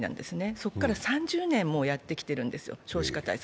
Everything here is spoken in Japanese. そこから３０年もやってきてるわけですよ、少子化対策。